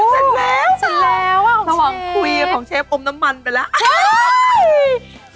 สรรแล้วสรรแล้วค่ะของเชฟอมน้ำมันไปแล้ว